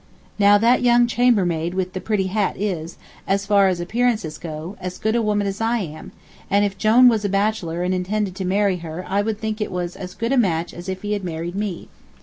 Now that young chambermaid with the pretty hat is, as far as appearances go, as good a woman as I am, and if Jone was a bachelor and intended to marry her I would think it was as good a match as if he married me.